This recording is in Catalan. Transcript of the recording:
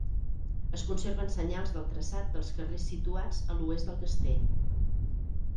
Es conserven senyals del traçat dels carrers situats a l'oest del castell.